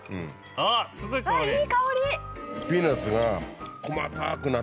あっすごい香り。